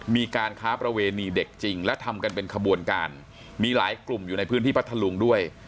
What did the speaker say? มีการค้าประเวณีเด็กจริงและทำกันเป็นขบวนการมีหลายกลุ่มอยู่ในพื้นที่พัทธลุงด้วย